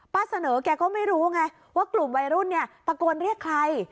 ป้าเสนอแกก็ไม่รู้ไงว่ากลุ่มวัยรุ่นเนี่ยตะโกนเรียกใคร